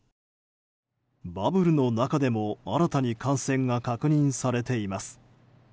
バブルの中でも新たに感染が確認されています。